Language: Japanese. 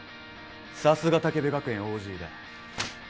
さすが建部学園ＯＧだ